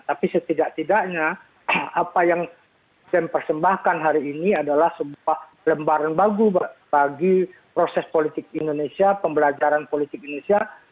tapi setidak tidaknya apa yang saya persembahkan hari ini adalah sebuah lembaran bagus bagi proses politik indonesia pembelajaran politik indonesia